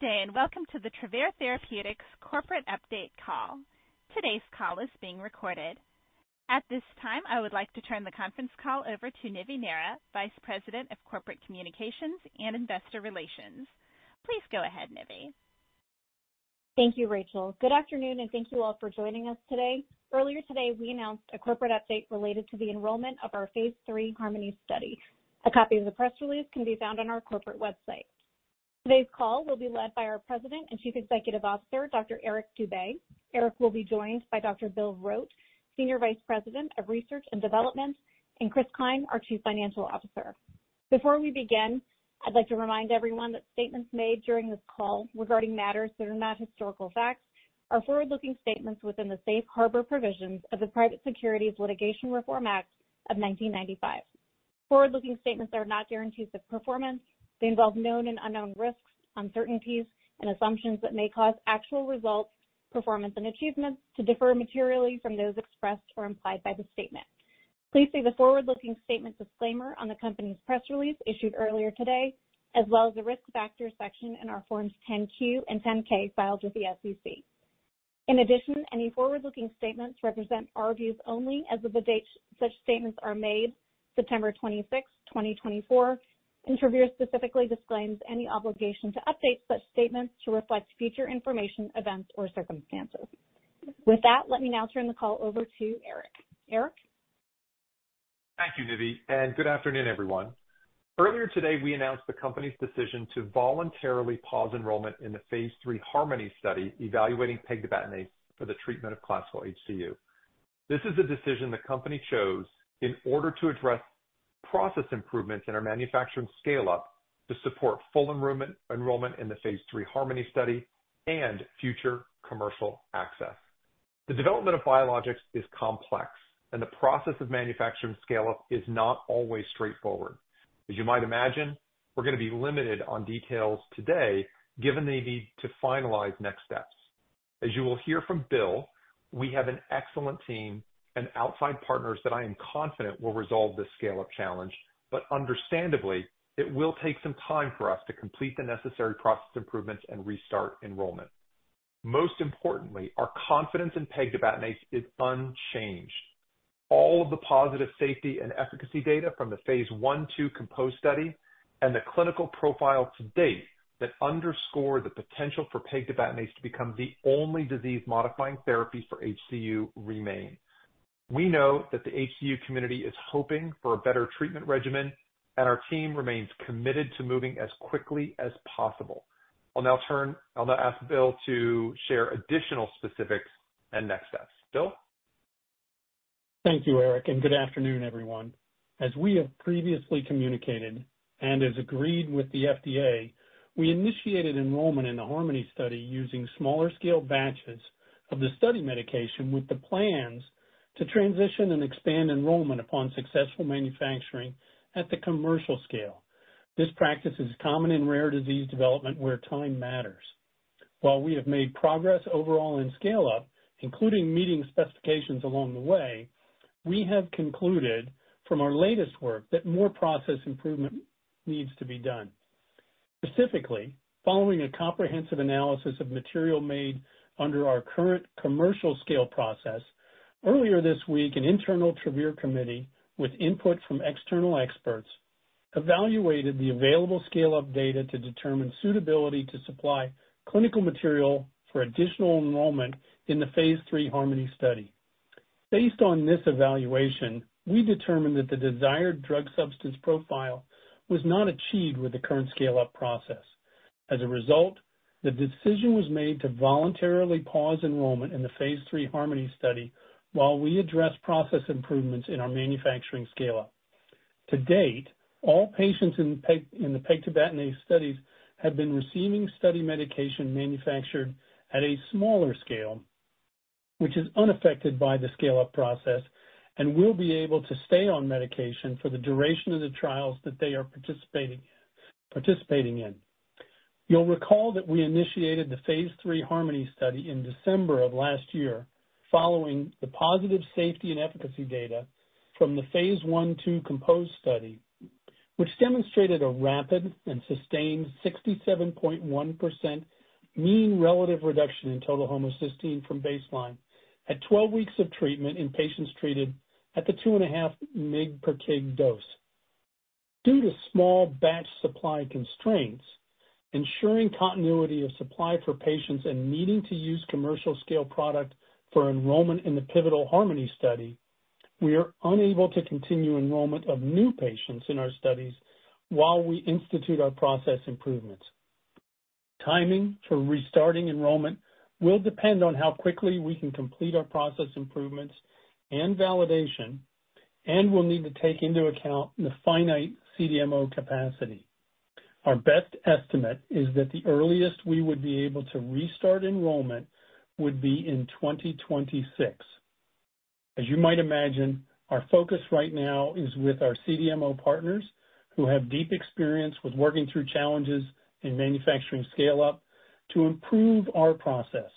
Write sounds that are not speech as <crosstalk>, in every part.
Good day, and welcome to the Travere Therapeutics corporate update call. Today's call is being recorded. At this time, I would like to turn the conference call over to Nivi Nehra, Vice President of Corporate Communications and Investor Relations. Please go ahead, Nivi. Thank you, Rachel. Good afternoon, and thank you all for joining us today. Earlier today, we announced a corporate update related to the enrollment of our phase III HARMONY study. A copy of the press release can be found on our corporate website. Today's call will be led by our President and Chief Executive Officer, Dr. Eric Dube. Eric will be joined by Dr. Bill Rote, Senior Vice President of Research and Development, and Chris Klein, our Chief Financial Officer. Before we begin, I'd like to remind everyone that statements made during this call regarding matters that are not historical facts are forward-looking statements within the safe harbor provisions of the Private Securities Litigation Reform Act of 1995. Forward-looking statements are not guarantees of performance. They involve known and unknown risks, uncertainties, and assumptions that may cause actual results, performance, and achievements to differ materially from those expressed or implied by the statement. Please see the forward-looking statement disclaimer on the company's press release issued earlier today, as well as the risk factors section in our Forms 10-Q and 10-K filed with the SEC. In addition, any forward-looking statements represent our views only as of the date such statements are made, September twenty-sixth, twenty twenty-four, and Travere specifically disclaims any obligation to update such statements to reflect future information, events, or circumstances. With that, let me now turn the call over to Eric. Eric? Thank you, Nivi, and good afternoon, everyone. Earlier today, we announced the company's decision to voluntarily pause enrollment in the phase III HARMONY study, evaluating pegtibatinase for the treatment of classical HCU. This is a decision the company chose in order to address process improvements in our manufacturing scale-up to support full enrollment in the phase III HARMONY study and future commercial access. The development of biologics is complex, and the process of manufacturing scale-up is not always straightforward. As you might imagine, we're going to be limited on details today, given the need to finalize next steps. As you will hear from Bill, we have an excellent team and outside partners that I am confident will resolve this scale-up challenge, but understandably, it will take some time for us to complete the necessary process improvements and restart enrollment. Most importantly, our confidence in pegtibatinase is unchanged. All of the positive safety and efficacy data from the phase I/II COMPOSE study and the clinical profile to date that underscore the potential for pegtibatinase to become the only disease-modifying therapy for HCU remain. We know that the HCU community is hoping for a better treatment regimen, and our team remains committed to moving as quickly as possible. I'll now ask Bill to share additional specifics and next steps. Bill? Thank you, Eric, and good afternoon, everyone. As we have previously communicated, and as agreed with the FDA, we initiated enrollment in the Harmony study using smaller-scale batches of the study medication, with the plans to transition and expand enrollment upon successful manufacturing at the commercial scale. This practice is common in rare disease development, where time matters. While we have made progress overall in scale up, including meeting specifications along the way, we have concluded from our latest work that more process improvement needs to be done. Specifically, following a comprehensive analysis of material made under our current commercial scale process, earlier this week, an internal Travere committee, with input from external experts, evaluated the available scale-up data to determine suitability to supply clinical material for additional enrollment in the phase III Harmony study. Based on this evaluation, we determined that the desired drug substance profile was not achieved with the current scale-up process. As a result, the decision was made to voluntarily pause enrollment in the phase III HARMONY study while we address process improvements in our manufacturing scale-up. To date, all patients in the pegtibatinase studies have been receiving study medication manufactured at a smaller scale, which is unaffected by the scale-up process and will be able to stay on medication for the duration of the trials that they are participating in. You'll recall that we initiated the phase III HARMONY study in December of last year, following the positive safety and efficacy data from the phase I/II COMPOSE study, which demonstrated a rapid and sustained 67.1% mean relative reduction in total homocysteine from baseline at 12 weeks of treatment in patients treated at the 2.5 mg per kg dose. Due to small batch supply constraints, ensuring continuity of supply for patients, and needing to use commercial scale product for enrollment in the pivotal HARMONY study, we are unable to continue enrollment of new patients in our studies while we institute our process improvements. Timing for restarting enrollment will depend on how quickly we can complete our process improvements and validation, and we'll need to take into account the finite CDMO capacity. Our best estimate is that the earliest we would be able to restart enrollment would be in 2026. As you might imagine, our focus right now is with our CDMO partners, who have deep experience with working through challenges in manufacturing scale-up to improve our process.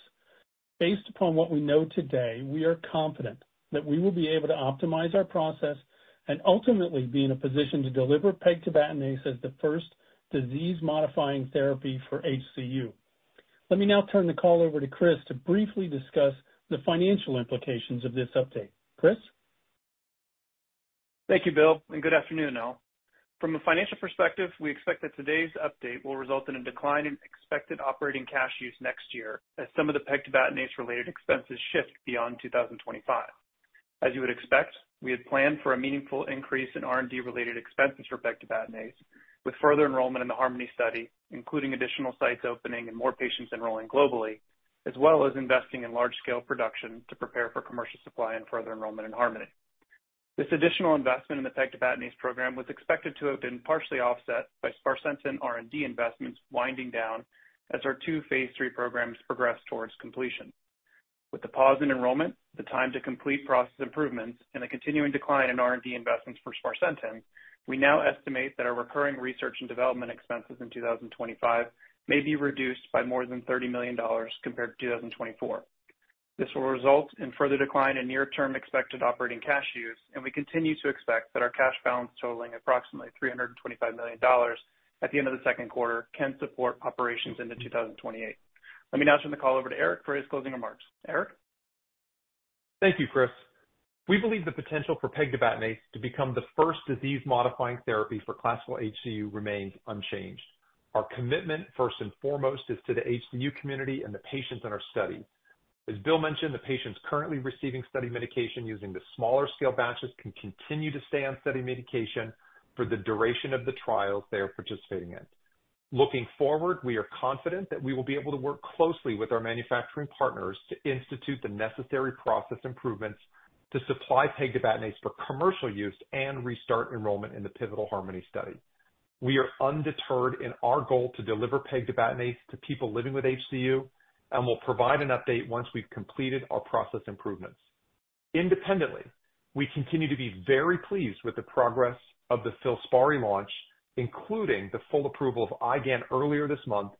Based upon what we know today, we are confident that we will be able to optimize our process and ultimately be in a position to deliver pegtibatinase as the first disease-modifying therapy for HCU. Let me now turn the call over to Chris to briefly discuss the financial implications of this update. Chris? Thank you, Bill, and good afternoon, all. From a financial perspective, we expect that today's update will result in a decline in expected operating cash use next year, as some of the pegtibatinase-related expenses shift beyond 2025. As you would expect, we had planned for a meaningful increase in R&D-related expenses for pegtibatinase, with further enrollment in the HARMONY study, including additional sites opening and more patients enrolling globally, as well as investing in large-scale production to prepare for commercial supply and further enrollment in HARMONY. This additional investment in the pegtibatinase program was expected to have been partially offset by sparsentan R&D investments winding down as our two phase III programs progress towards completion. With the pause in enrollment, the time to complete process improvements, and a continuing decline in R&D investments for sparsentan, we now estimate that our recurring research and development expenses in 2025 may be reduced by more than $30 million compared to 2024. This will result in further decline in near-term expected operating cash use, and we continue to expect that our cash balance, totaling approximately $325 million at the end of the second quarter, can support operations into 2028. Let me now turn the call over to Eric for his closing remarks. Eric? Thank you, Chris. We believe the potential for pegtibatinase to become the first disease-modifying therapy for classical HCU remains unchanged. Our commitment, first and foremost, is to the HCU community and the patients in our study. As Bill mentioned, the patients currently receiving study medication using the smaller scale batches can continue to stay on study medication for the duration of the trials they are participating in. Looking forward, we are confident that we will be able to work closely with our manufacturing partners to institute the necessary process improvements to supply pegtibatinase for commercial use and restart enrollment in the pivotal HARMONY study. We are undeterred in our goal to deliver pegtibatinase to people living with HCU and will provide an update once we've completed our process improvements. Independently, we continue to be very pleased with the progress of the FILSPARI launch, including the full approval of IgAN earlier this month,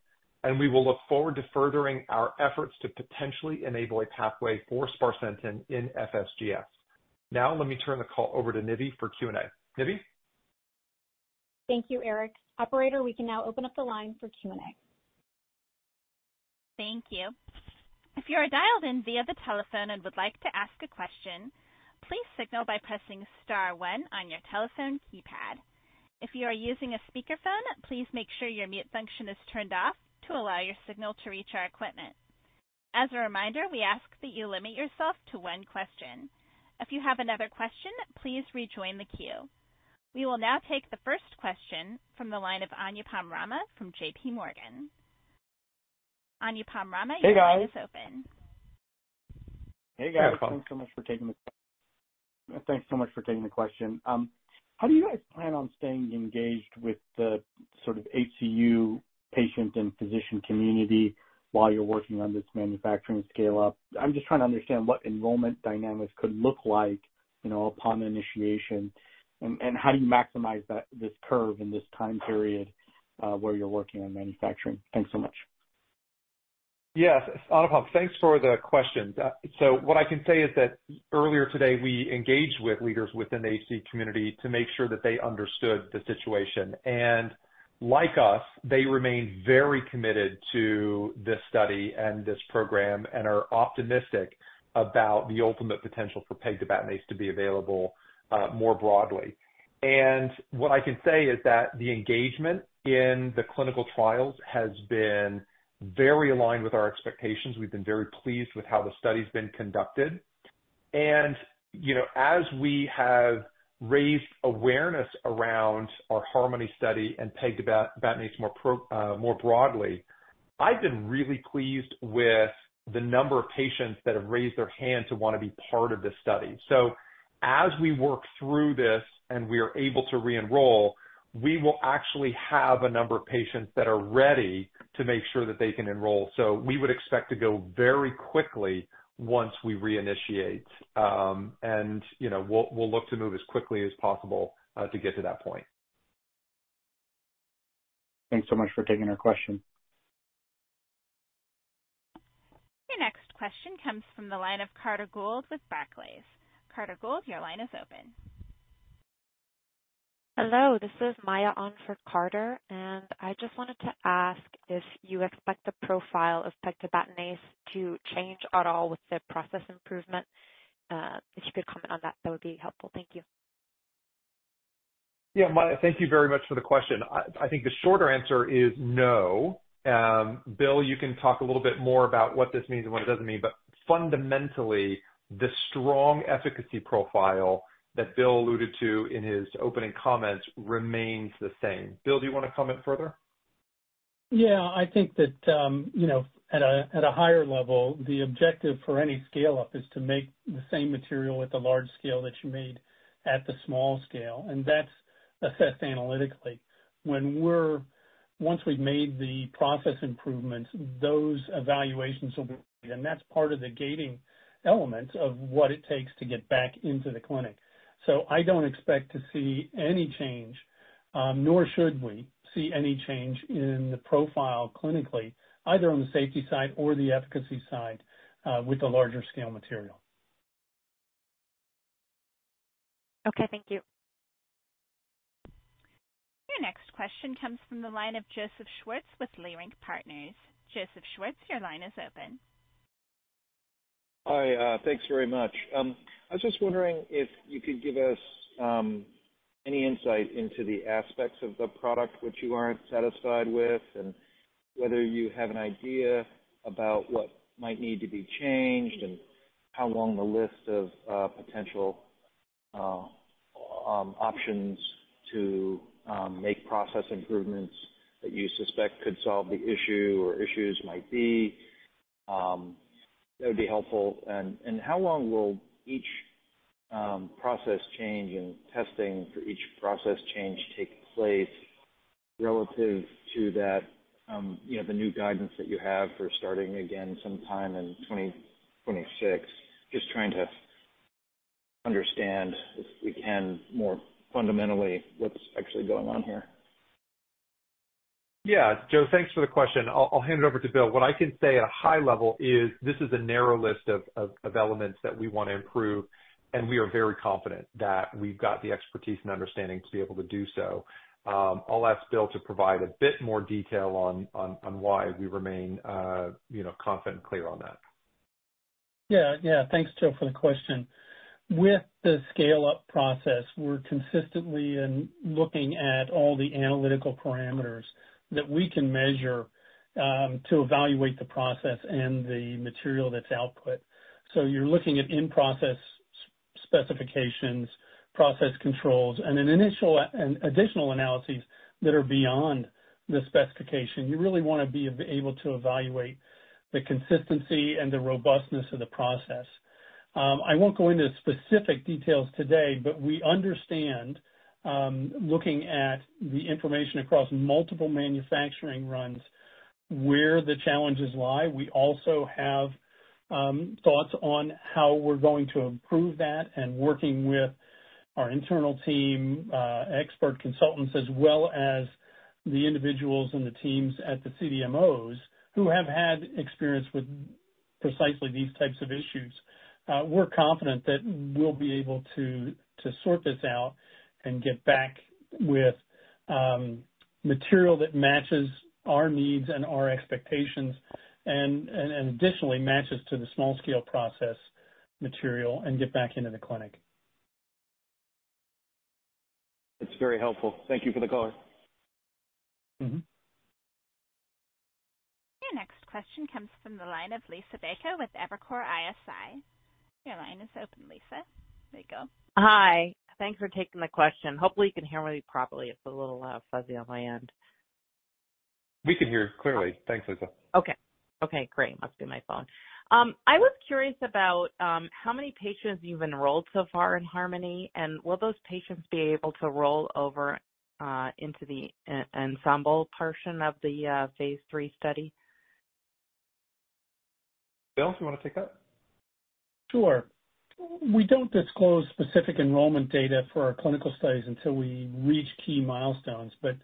and we will look forward to furthering our efforts to potentially enable a pathway for sparsentan in FSGS. Now, let me turn the call over to Nivi for Q&A. Nivi? Thank you, Eric. Operator, we can now open up the line for Q&A. Thank you. If you are dialed in via the telephone and would like to ask a question, please signal by pressing star one on your telephone keypad. If you are using a speakerphone, please make sure your mute function is turned off to allow your signal to reach our equipment. As a reminder, we ask that you limit yourself to one question. If you have another question, please rejoin the queue. We will now take the first question from the line of Anupam Rama from JPMorgan. Anupam Rama, your line is open. Hey, guys. <crosstalk> Hey, guys. Thanks so much for taking the question. How do you guys plan on staying engaged with the sort of HCU patient and physician community while you're working on this manufacturing scale-up? I'm just trying to understand what enrollment dynamics could look like, you know, upon initiation, and how do you maximize that, this curve in this time period where you're working on manufacturing? Thanks so much. Yes, Anupam, thanks for the question. So what I can say is that earlier today, we engaged with leaders within the HCU community to make sure that they understood the situation. Like us, they remain very committed to this study and this program and are optimistic about the ultimate potential for pegtibatinase to be available more broadly. And what I can say is that the engagement in the clinical trials has been very aligned with our expectations. We've been very pleased with how the study's been conducted. And, you know, as we have raised awareness around our HARMONY study and pegtibatinase more broadly, I've been really pleased with the number of patients that have raised their hand to want to be part of this study. So as we work through this and we are able to re-enroll, we will actually have a number of patients that are ready to make sure that they can enroll. So we would expect to go very quickly once we reinitiate. And, you know, we'll look to move as quickly as possible to get to that point. Thanks so much for taking our question. Your next question comes from the line of Carter Gould with Barclays. Carter Gould, your line is open. Hello, this is Maya on for Carter, and I just wanted to ask if you expect the profile of pegtibatinase to change at all with the process improvement? If you could comment on that, that would be helpful. Thank you. Yeah, Maya, thank you very much for the question. I, I think the shorter answer is no. Bill, you can talk a little bit more about what this means and what it doesn't mean, but fundamentally, the strong efficacy profile that Bill alluded to in his opening comments remains the same. Bill, do you want to comment further? Yeah. I think that, you know, at a higher level, the objective for any scale-up is to make the same material at the large scale that you made at the small scale, and that's assessed analytically. Once we've made the process improvements, those evaluations will be, and that's part of the gating element of what it takes to get back into the clinic. So I don't expect to see any change, nor should we see any change in the profile clinically, either on the safety side or the efficacy side, with the larger scale material. Okay, thank you. Your next question comes from the line of Joseph Schwartz with Leerink Partners. Joseph Schwartz, your line is open. Hi, thanks very much. I was just wondering if you could give us any insight into the aspects of the product which you aren't satisfied with, and whether you have an idea about what might need to be changed, and how long the list of potential options to make process improvements that you suspect could solve the issue or issues might be? That would be helpful, and how long will each process change and testing for each process change take place relative to that, you know, the new guidance that you have for starting again sometime in 2026? Just trying to understand, if we can, more fundamentally, what's actually going on here. Yeah, Joe, thanks for the question. I'll hand it over to Bill. What I can say at a high level is this is a narrow list of elements that we want to improve, and we are very confident that we've got the expertise and understanding to be able to do so. I'll ask Bill to provide a bit more detail on why we remain, you know, confident and clear on that. Yeah. Yeah. Thanks, Joe, for the question. With the scale-up process, we're consistently in looking at all the analytical parameters that we can measure, to evaluate the process and the material that's output. So you're looking at in-process specifications, process controls, and an initial and additional analyses that are beyond the specification. You really want to be able to evaluate the consistency and the robustness of the process. I won't go into specific details today, but we understand, looking at the information across multiple manufacturing runs, where the challenges lie. We also have, thoughts on how we're going to improve that and working with our internal team, expert consultants, as well as the individuals and the teams at the CDMOs, who have had experience with precisely these types of issues. We're confident that we'll be able to sort this out and get back with material that matches our needs and our expectations, and additionally, matches to the small scale process material and get back into the clinic. It's very helpful. Thank you for the call. Mm-hmm. Your next question comes from the line of Liisa Bayko with Evercore ISI. Your line is open, Liisa Bayko. Hi. Thanks for taking the question. Hopefully, you can hear me properly. It's a little fuzzy on my end. We can hear you clearly. Thanks, Liisa. Okay. Okay, great. Must be my phone. I was curious about how many patients you've enrolled so far in HARMONY, and will those patients be able to roll over into the ENSEMBLE portion of the Phase III study? Bill, do you wanna take that? Sure. We don't disclose specific enrollment data for our clinical studies until we reach key milestones, but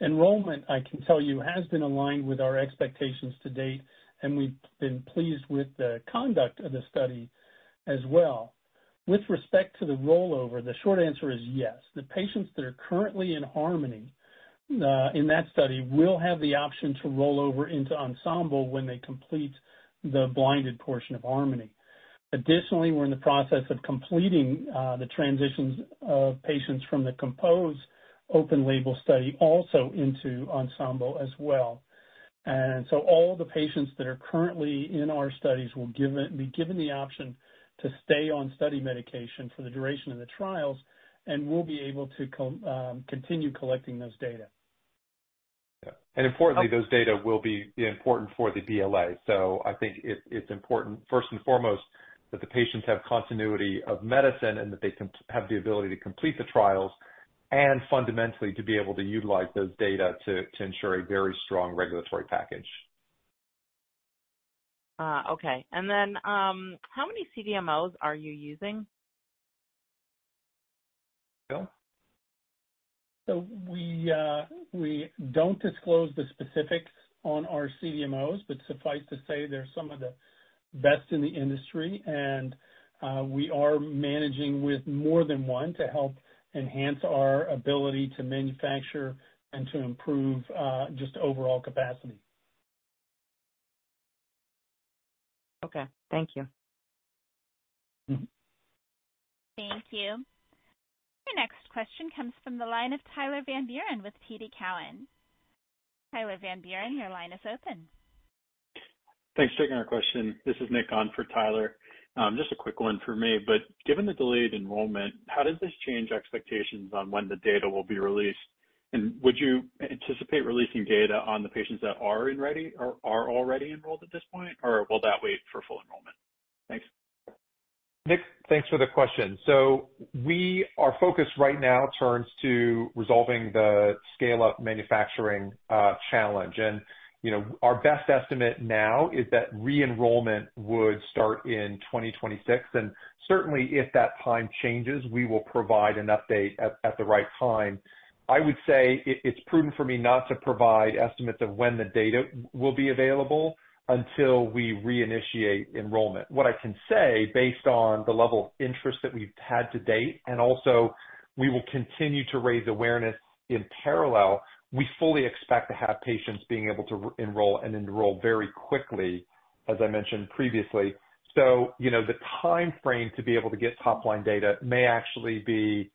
enrollment, I can tell you, has been aligned with our expectations to date, and we've been pleased with the conduct of the study as well. With respect to the rollover, the short answer is yes. The patients that are currently in HARMONY, in that study, will have the option to roll over into ENSEMBLE when they complete the blinded portion of HARMONY. Additionally, we're in the process of completing the transitions of patients from the COMPOSE open label study also into ENSEMBLE as well. And so all the patients that are currently in our studies will be given the option to stay on study medication for the duration of the trials, and we'll be able to continue collecting those data. Yeah. And importantly, those data will be important for the BLA. So I think it's important, first and foremost, that the patients have continuity of medicine, and that they can have the ability to complete the trials, and fundamentally, to be able to utilize those data to ensure a very strong regulatory package. Okay, and then, how many CDMOs are you using? Bill? So we, we don't disclose the specifics on our CDMOs, but suffice to say, they're some of the best in the industry, and we are managing with more than one to help enhance our ability to manufacture and to improve just overall capacity. Okay. Thank you. Mm-hmm. Thank you. Your next question comes from the line of Tyler Van Buren with TD Cowen. Tyler Van Buren, your line is open. Thanks for taking our question. This is Nick on for Tyler. Just a quick one from me, but given the delayed enrollment, how does this change expectations on when the data will be released? And would you anticipate releasing data on the patients that are already enrolled at this point, or will that wait for full enrollment? Thanks. Nick, thanks for the question, so our focus right now turns to resolving the scale-up manufacturing challenge, and you know, our best estimate now is that re-enrollment would start in 2026, and certainly, if that time changes, we will provide an update at the right time. I would say it's prudent for me not to provide estimates of when the data will be available until we reinitiate enrollment. What I can say, based on the level of interest that we've had to date, and also we will continue to raise awareness in parallel, we fully expect to have patients being able to enroll and enroll very quickly, as I mentioned previously. So, you know, the timeframe to be able to get top-line data may actually be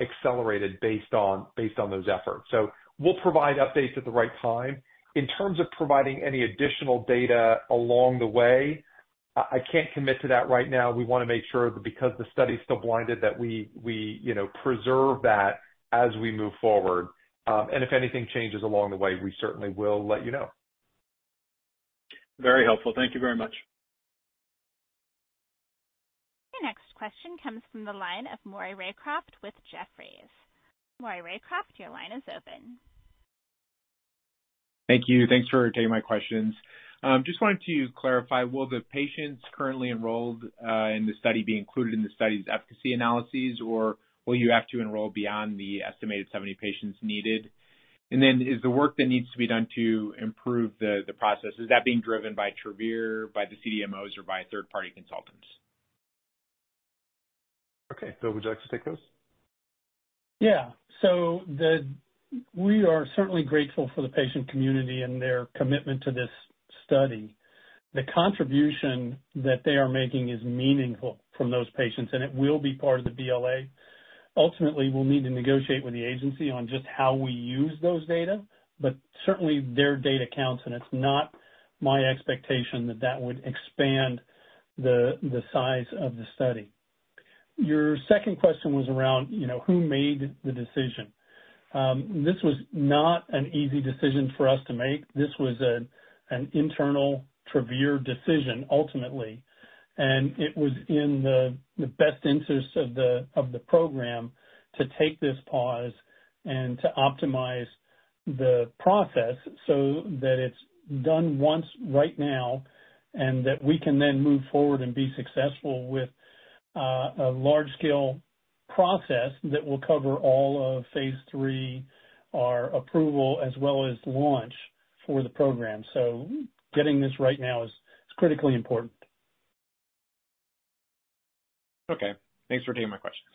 accelerated based on those efforts, so we'll provide updates at the right time. In terms of providing any additional data along the way, I can't commit to that right now. We wanna make sure that because the study is still blinded, that we, you know, preserve that as we move forward, and if anything changes along the way, we certainly will let you know. Very helpful. Thank you very much. Your next question comes from the line of Maury Raycroft with Jefferies. Maury Raycroft, your line is open. Thank you. Thanks for taking my questions. Just wanted to clarify, will the patients currently enrolled in the study be included in the study's efficacy analyses, or will you have to enroll beyond the estimated seventy patients needed? And then, is the work that needs to be done to improve the process, is that being driven by Travere, by the CDMOs, or by third-party consultants? Okay. Bill, would you like to take those? Yeah. So we are certainly grateful for the patient community and their commitment to this study. The contribution that they are making is meaningful from those patients, and it will be part of the BLA. Ultimately, we'll need to negotiate with the agency on just how we use those data, but certainly, their data counts, and it's not my expectation that that would expand the size of the study. Your second question was around, you know, who made the decision? This was not an easy decision for us to make. This was an internal Travere decision, ultimately, and it was in the best interest of the program to take this pause and to optimize the process so that it's done once right now, and that we can then move forward and be successful with a large-scale process that will cover all of phase III, our approval, as well as launch for the program. So getting this right now is critically important. Okay. Thanks for taking my questions.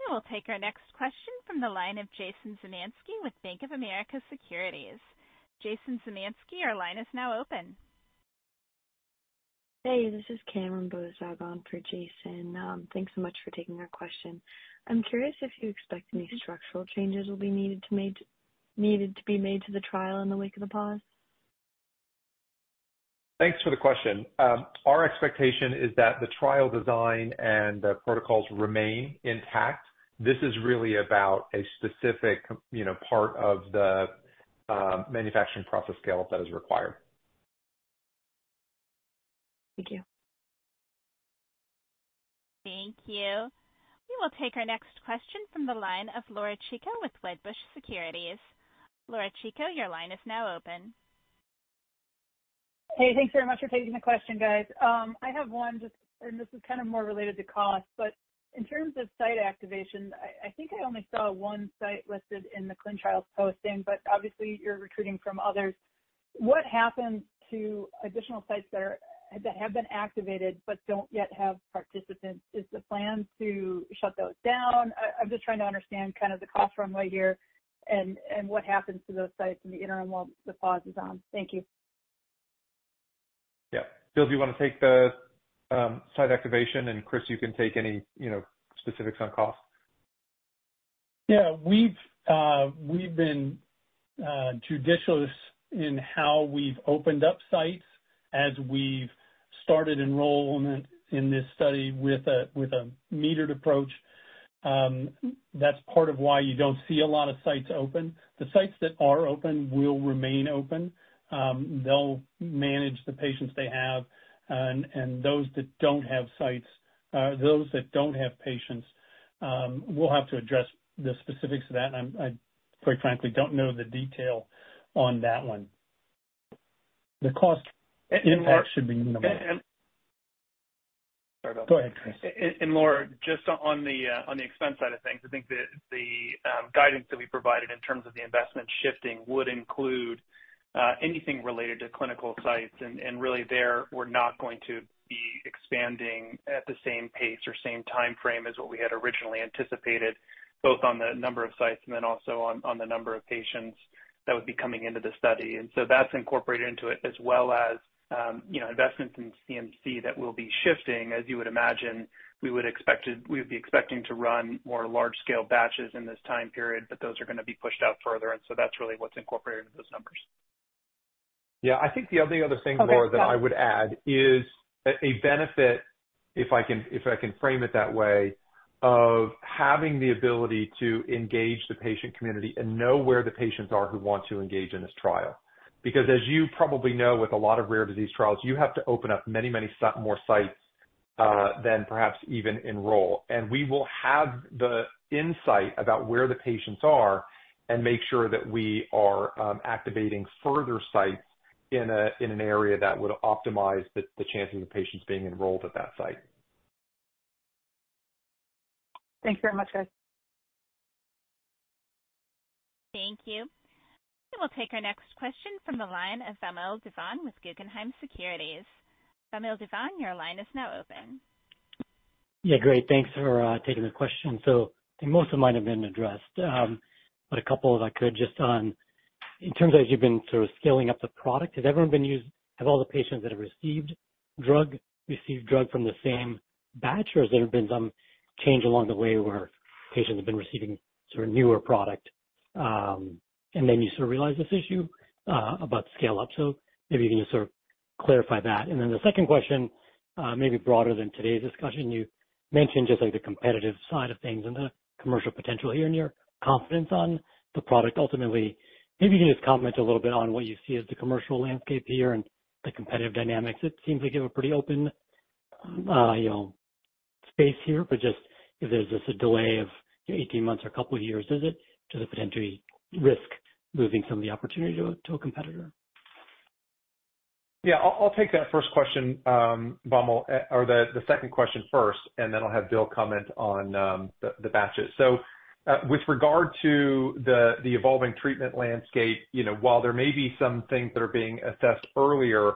We will take our next question from the line of Jason Zemansky with Bank of America Securities. Jason Zemansky, your line is now open. Hey, this is Cameron Bozdog for Jason Zemansky. Thanks so much for taking our question. I'm curious if you expect any structural changes will be needed to be made to the trial in the wake of the pause? Thanks for the question. Our expectation is that the trial design and the protocols remain intact. This is really about a specific, you know, part of the, manufacturing process scale that is required. Thank you. Thank you. We will take our next question from the line of Laura Chico with Wedbush Securities. Laura Chico, your line is now open. Hey, thanks very much for taking the question, guys. I have one just... and this is kind of more related to cost, but in terms of site activation, I think I only saw one site listed in the ClinicalTrials posting, but obviously, you're recruiting from others. What happens to additional sites that have been activated but don't yet have participants? Is the plan to shut those down? I'm just trying to understand kind of the cost runway here and what happens to those sites in the interim while the pause is on. Thank you. Yeah. Bill, do you want to take the site activation? And, Chris, you can take any, you know, specifics on cost. Yeah. We've been judicious in how we've opened up sites as we've started enrollment in this study with a metered approach. That's part of why you don't see a lot of sites open. The sites that are open will remain open. They'll manage the patients they have, and those that don't have sites, those that don't have patients, we'll have to address the specifics of that, and I quite frankly, don't know the detail on that one. The cost impact should be minimal. And, and- Go ahead, Chris. Laura, just on the expense side of things, I think the guidance that we provided in terms of the investment shifting would include anything related to clinical sites, and really there, we're not going to be expanding at the same pace or same timeframe as what we had originally anticipated, both on the number of sites and then also on the number of patients that would be coming into the study, and so that's incorporated into it, as well as, you know, investments in CMC that will be shifting. As you would imagine, we would be expecting to run more large-scale batches in this time period, but those are gonna be pushed out further, and so that's really what's incorporated with those numbers. Yeah. I think the other thing, Laura, that I would add is a benefit, if I can frame it that way, of having the ability to engage the patient community and know where the patients are who want to engage in this trial. Because as you probably know, with a lot of rare disease trials, you have to open up many more sites than perhaps even enroll. And we will have the insight about where the patients are and make sure that we are activating further sites in an area that would optimize the chances of patients being enrolled at that site. Thanks very much, guys. Thank you. We'll take our next question from the line of Vamil Divan with Guggenheim Securities. Vamil Divan, your line is now open. Yeah, great, thanks for taking the question. So I think most of mine have been addressed. But a couple if I could, just on in terms of you've been sort of scaling up the product. Have all the patients that have received drug received drug from the same batch? Or has there been some change along the way where patients have been receiving sort of newer product, and then you sort of realized this issue about scale up? So maybe you can just sort of clarify that. And then the second question may be broader than today's discussion. You mentioned just like the competitive side of things and the commercial potential here and your confidence on the product. Ultimately, maybe you can just comment a little bit on what you see as the commercial landscape here and the competitive dynamics. It seems like you have a pretty open, you know, space here, but just if there's just a delay of 18 months or a couple of years, is it to the potential risk losing some of the opportunity to a competitor? Yeah, I'll take that first question, Vamil, or the second question first, and then I'll have Bill comment on the batches. So, with regard to the evolving treatment landscape, you know, while there may be some things that are being assessed earlier,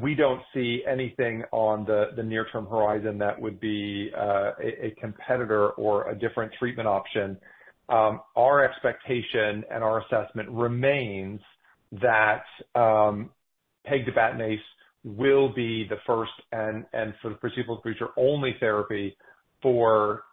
we don't see anything on the near term horizon that would be a competitor or a different treatment option. Our expectation and our assessment remains that pegtibatinase will be the first and for the foreseeable future, only therapy for,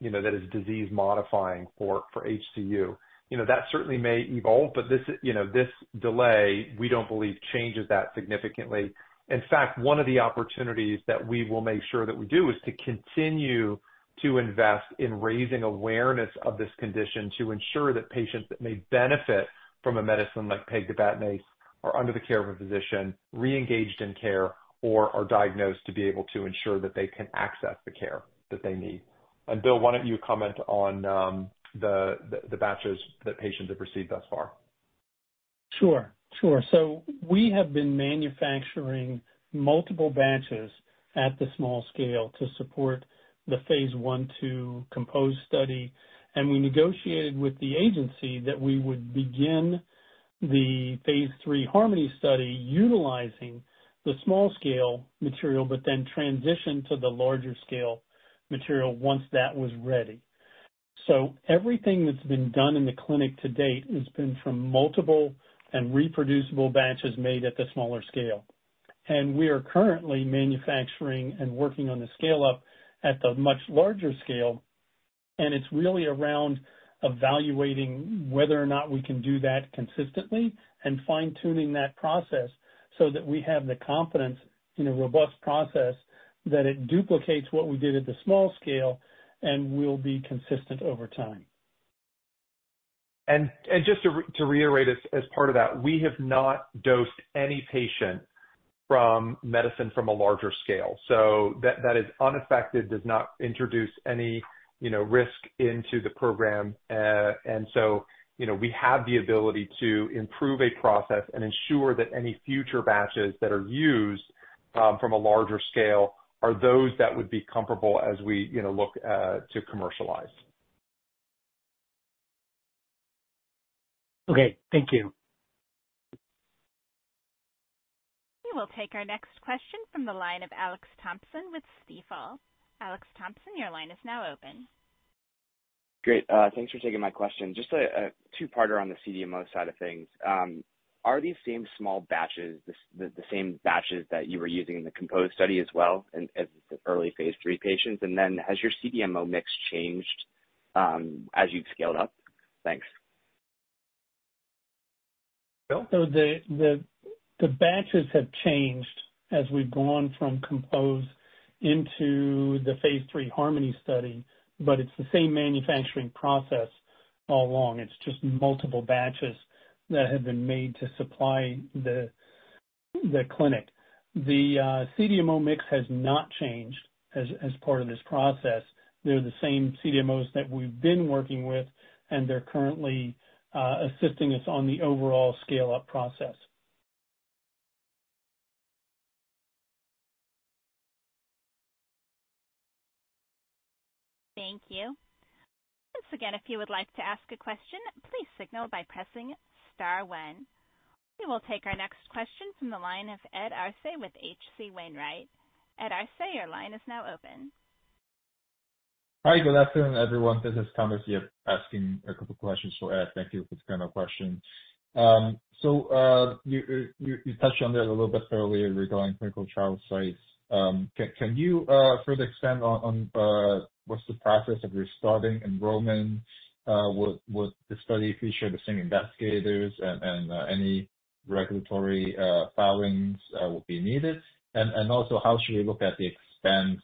you know, that is disease modifying for HCU. You know, that certainly may evolve, but this, you know, this delay, we don't believe changes that significantly. In fact, one of the opportunities that we will make sure that we do is to continue to invest in raising awareness of this condition, to ensure that patients that may benefit from a medicine like pegtibatinase are under the care of a physician, reengaged in care, or are diagnosed to be able to ensure that they can access the care that they need. And Bill, why don't you comment on the batches that patients have received thus far? Sure, sure. So we have been manufacturing multiple batches at the small scale to support the phase I/II COMPOSE study, and we negotiated with the agency that we would begin the phase III HARMONY study utilizing the small scale material, but then transition to the larger scale material once that was ready. So everything that's been done in the clinic to date has been from multiple and reproducible batches made at the smaller scale. And we are currently manufacturing and working on the scale-up at the much larger scale, and it's really around evaluating whether or not we can do that consistently and fine-tuning that process so that we have the confidence in a robust process that it duplicates what we did at the small scale and will be consistent over time. Just to reiterate as part of that, we have not dosed any patient with medicine from a larger scale. That is unaffected and does not introduce any, you know, risk into the program. You know, we have the ability to improve a process and ensure that any future batches that are used from a larger scale are those that would be comfortable as we, you know, look to commercialize. Okay, thank you. We will take our next question from the line of Alex Thompson with Stifel. Alex Thompson, your line is now open. Great. Thanks for taking my question. Just a two-parter on the CDMO side of things. Are these same small batches, the same batches that you were using in the COMPOSE study as well as in early phase III patients? And then has your CDMO mix changed, as you've scaled up? Thanks. So the batches have changed as we've gone from COMPOSE into the phase III HARMONY study, but it's the same manufacturing process all along. It's just multiple batches that have been made to supply the clinic. The CDMO mix has not changed as part of this process. They're the same CDMOs that we've been working with, and they're currently assisting us on the overall scale-up process. Thank you. Once again, if you would like to ask a question, please signal by pressing star one. We will take our next question from the line of Ed Arce with H.C. Wainwright. Ed Arce, your line is now open. Hi, good afternoon, everyone. This is Thomas Yip asking a couple questions for Ed. Thank you for taking my question. So, you touched on this a little bit earlier regarding clinical trial sites. Can you further expand on what's the process of restarting enrollment? What would the study feature the same investigators and any regulatory filings will be needed? And also, how should we look at the expense,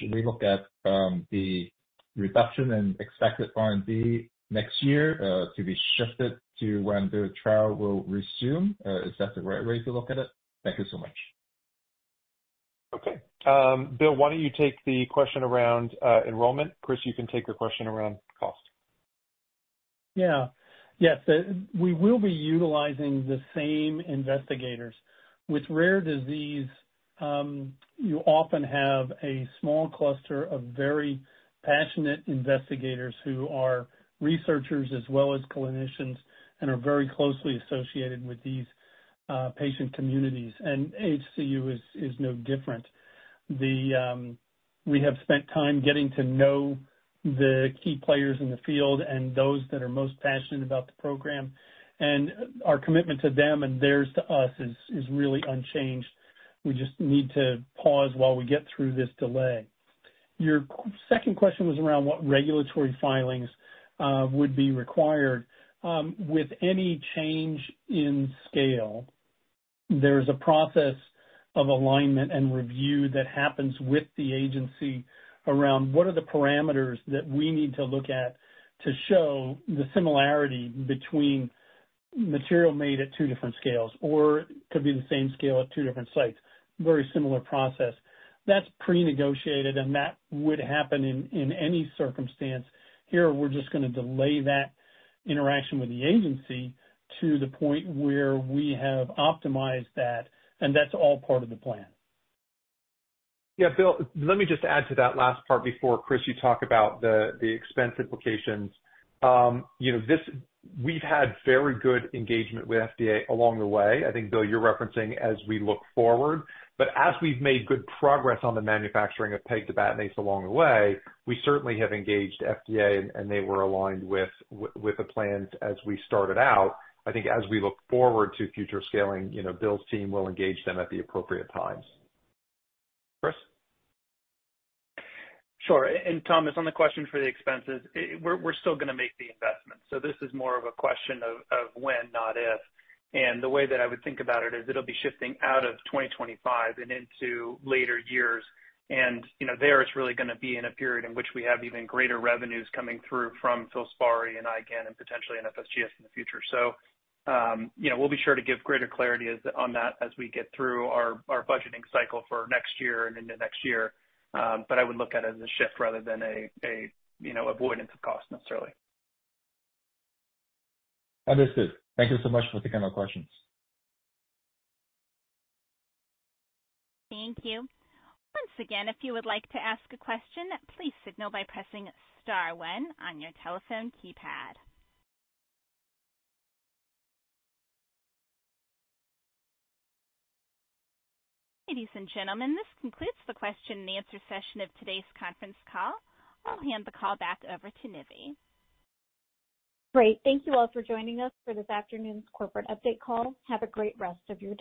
should we look at the reduction in expected R&D next year to be shifted to when the trial will resume? Is that the right way to look at it? Thank you so much. Okay. Bill, why don't you take the question around enrollment? Chris, you can take the question around cost. Yeah. Yes, we will be utilizing the same investigators. With rare disease, you often have a small cluster of very passionate investigators who are researchers as well as clinicians, and are very closely associated with these patient communities, and a HCU is no different. We have spent time getting to know the key players in the field and those that are most passionate about the program, and our commitment to them and theirs to us is really unchanged. We just need to pause while we get through this delay. Your second question was around what regulatory filings would be required. With any change in scale, there's a process of alignment and review that happens with the agency around what are the parameters that we need to look at to show the similarity between material made at two different scales, or could be the same scale at two different sites, very similar process. That's pre-negotiated, and that would happen in any circumstance. Here, we're just gonna delay that interaction with the agency to the point where we have optimized that, and that's all part of the plan. Yeah, Bill, let me just add to that last part before, Chris, you talk about the expense implications. You know, this. We've had very good engagement with FDA along the way. I think, Bill, you're referencing as we look forward, but as we've made good progress on the manufacturing of pegtibatinase along the way, we certainly have engaged FDA, and they were aligned with the plans as we started out. I think as we look forward to future scaling, you know, Bill's team will engage them at the appropriate times. Chris? Sure, and Thomas, on the question for the expenses, we're still gonna make the investment, so this is more of a question of when, not if, and the way that I would think about it is it'll be shifting out of 2025 and into later years. You know, there, it's really gonna be in a period in which we have even greater revenues coming through from FILSPARI and IgAN and potentially FSGS in the future. So you know, we'll be sure to give greater clarity on that as we get through our budgeting cycle for next year and into next year. But I would look at it as a shift rather than a you know, avoidance of cost necessarily. Understood. Thank you so much for taking our questions. Thank you. Once again, if you would like to ask a question, please signal by pressing star one on your telephone keypad. Ladies and gentlemen, this concludes the question and answer session of today's conference call. I'll hand the call back over to Nivi. Great, thank you all for joining us for this afternoon's corporate update call. Have a great rest of your day.